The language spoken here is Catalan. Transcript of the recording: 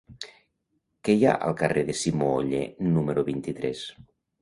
Què hi ha al carrer de Simó Oller número vint-i-tres?